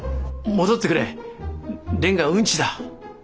戻ってくれ。がうんちだ。